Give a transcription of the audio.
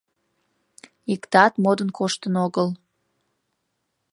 Иктат модын коштын огыл.